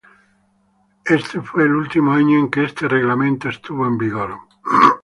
Este fue el último año en que este reglamento estuvo en vigor.